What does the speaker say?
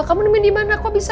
kamu nemen di mana kok bisa